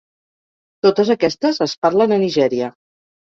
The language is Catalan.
Totes aquestes es parlen a Nigèria.